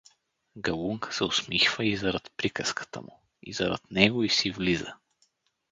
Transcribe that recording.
Галунка се усмихва и зарад приказката му, и зарад него и си влиза.